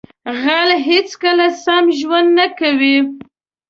غل هیڅکله سم ژوند نه کوي